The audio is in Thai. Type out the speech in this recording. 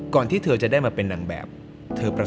ก่อนที่เธอจะได้มาเป็นนางแบบที่เธอประสบปัญหากับชีวิตหลายอย่าง